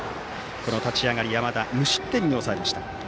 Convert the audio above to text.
立ち上がり、山田は無失点に抑えました。